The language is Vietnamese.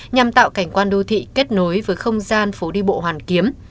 nhằm tạo cảnh quan đô thị kết nối với không gian phố đi bộ hoàn kiếm